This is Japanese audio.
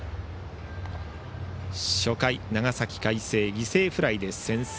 初回、長崎・海星犠牲フライで先制。